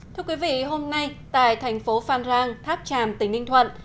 thưa quý vị hôm nay tại thành phố phan rang tháp tràm tỉnh ninh thuận